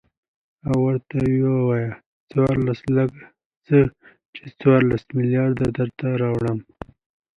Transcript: او ورته ووايه څورلس لکه څه ،چې څورلس ملېارده درته راوړم.